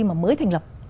mà mới thành lập